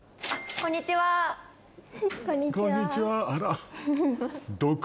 こんにちはあら。